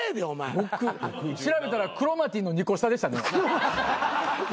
調べたらクロマティの２個下でしたね。